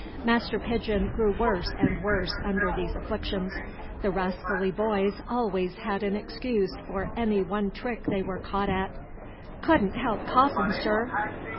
Master Pigeon grew worse and worse under these inflictions. The rascally boys always had an excuse for any one trick they were caught at. "Could n' help coughin', Sir."